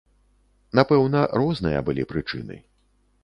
Напэўна, розныя былі прычыны.